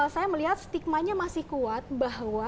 saya melihat stigmanya masih kuat bahwa